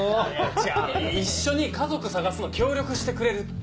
ちが一緒に家族捜すの協力してくれるって。